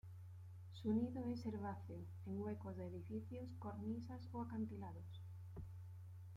Su nido es herbáceo, en huecos de edificios, cornisas o acantilados.